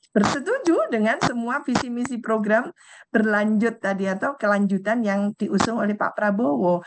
bersetuju dengan semua visi misi program berlanjut tadi atau kelanjutan yang diusung oleh pak prabowo